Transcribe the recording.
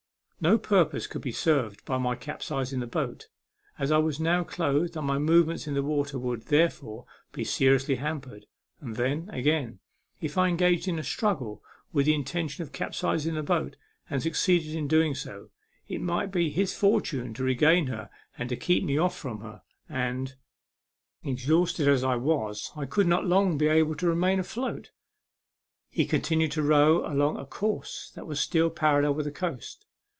No purpose could be served by my capsizing the boat. I was now clothed, and my move ments in the water would, therefore, be seriously hampered ; and then, again, if I en gaged in a struggle, with the intention of capsizing the boat, and succeeded in doing so, it might be his fortune to regain her and to keep me off from her, and, apparelled and A MEMORABLE SWIM. 81 exhausted as I was, T should not long be able to remain afloat. He continued to row along a course that was still parallel with the coast.